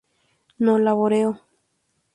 No laboreo.